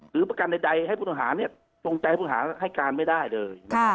หรือประกันใดให้ผู้หาเนี่ยตรงใจผู้หาให้การไม่ได้เลย